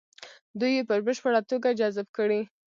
دوی یې په بشپړه توګه جذب کړي.